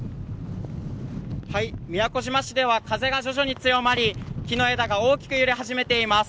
宮古島市では風が徐々に強まり木の枝が大きく揺れ始めています。